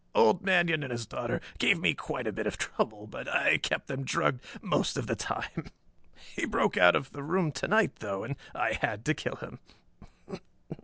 Old Manion and his daughter gave me quite a bit of trouble, but I kept them drugged most of the time. He broke out of the room to night though, and I had to kill him.